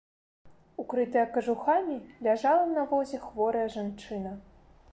Укрытая кажухамі, ляжала на возе хворая жанчына.